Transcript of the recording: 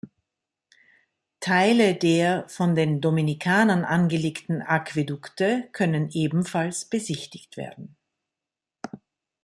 Teile der von den Dominikanern angelegten Aquädukte können ebenfalls besichtigt werden.